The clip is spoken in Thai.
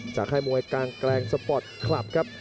ค่ายมวยกลางแกลงสปอร์ตคลับครับ